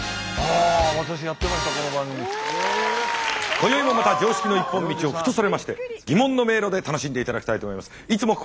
今宵もまた常識の一本道をフッとそれまして疑問の迷路で楽しんでいただきたいと思います。